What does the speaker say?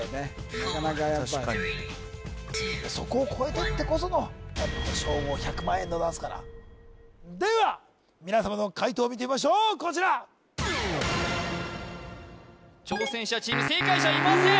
なかなかやっぱそこを超えてってこその称号１００万円でございますからでは皆さまの解答を見てみましょうこちら挑戦者チーム正解者いません